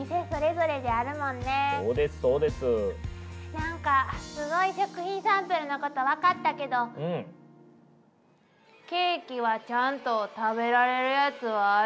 なんかすごい食品サンプルのこと分かったけどケーキはちゃんと食べられるやつはあるんでしょうね？